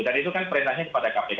dan itu kan perintahnya kepada kpk